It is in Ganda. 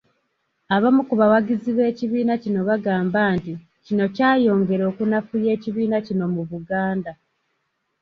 Abamu ku bawagizi b'ekibiina kino bagamba nti kino kyayongera okunafuya ekibiina kino mu Buganda.